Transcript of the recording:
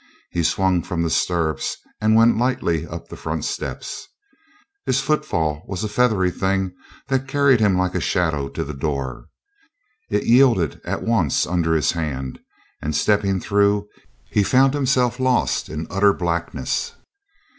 He swung from the stirrups and went lightly up the front steps. His footfall was a feathery thing that carried him like a shadow to the door. It yielded at once under his hand, and, stepping through, he found himself lost in utter blackness.